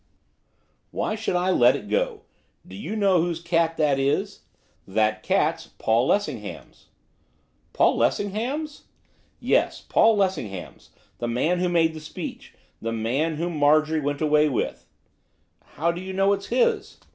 'Why should I let it go? Do you know whose cat that is? That cat's Paul Lessingham's.' 'Paul Lessingham's?' 'Yes, Paul Lessingham's, the man who made the speech, the man whom Marjorie went away with.' 'How do you know it's his?